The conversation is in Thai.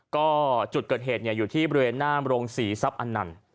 ก็จุดเกิดเหตุอยู่ที่บริเวณหน้าโรงศรีทรัพย์อันนั้น